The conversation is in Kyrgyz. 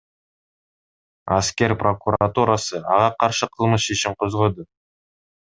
Аскер прокуратурасы ага каршы кылмыш ишин козгоду.